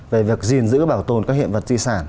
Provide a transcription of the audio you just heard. về việc gìn giữ bảo tồn các hiện vật di sản